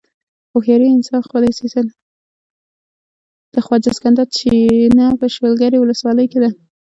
د خواجه سکندر چينه په شولګرې ولسوالۍ کې ده.